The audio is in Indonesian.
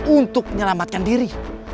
untuk menyelamatkan diri